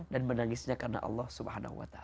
menangisnya karena allah swt